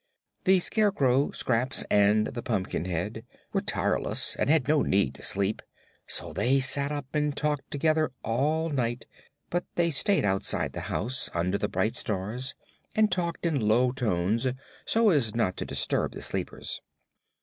The Scarecrow, Scraps and the Pumpkinhead were tireless and had no need to sleep, so they sat up and talked together all night; but they stayed outside the house, under the bright stars, and talked in low tones so as not to disturb the sleepers.